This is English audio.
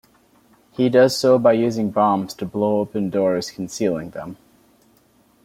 He does so by using bombs to blow open the doors concealing them.